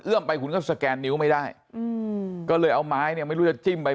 เอื้อมบ้าคุณก็สแกนนวไม่ได้ก็เลยเอมาไม้ไม่รู้จะจิ้มไหม